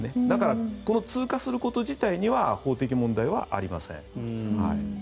だから通過すること自体には法的問題はありません。